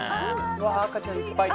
赤ちゃんいっぱい。